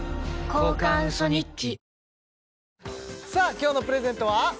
今日のプレゼントは？